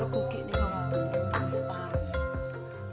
gunung kidul yang kaya serat dan lebih mengenyangkan daripada nasi